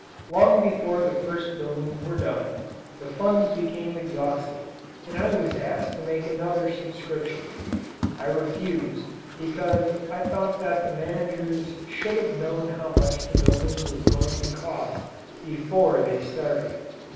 Long before the first buildings were done, the funds became exhausted and I was asked to make another subscription. I refused because I thought that the managers should have known how much the building was going to cost before they started.